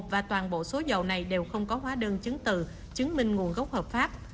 và toàn bộ số dầu này đều không có hóa đơn chứng từ chứng minh nguồn gốc hợp pháp